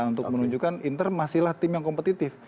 untuk menunjukkan inter masihlah tim yang kompetitif